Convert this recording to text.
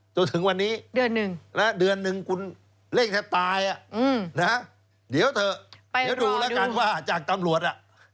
เดี๋ยวดูแล้วกันว่าจากตำรวจอะ